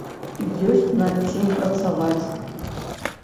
Ёсць над чым працаваць.